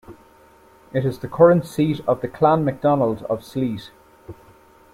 It is the current Seat of the Clan Macdonald of Sleat.